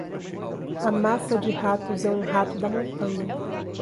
A massa de ratos é um rato da montanha.